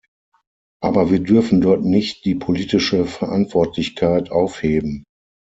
Aber wir dürfen dort nicht die politische Verantwortlichkeit aufheben.